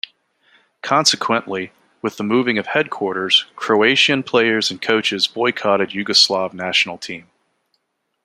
Consequently, with the moving of headquarters, Croatian players and coaches boycotted Yugoslav national team.